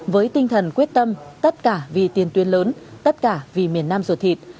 với tinh thần quyết tâm tất cả vì tiền tuyến lớn tất cả vì miền nam ruột thịt